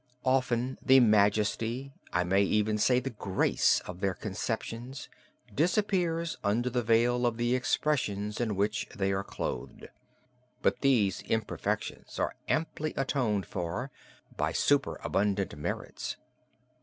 Often, the majesty, I may even say the grace of their conceptions, disappears under the veil of the expressions in which they are clothed; but these imperfections are amply atoned for by superabundant merits.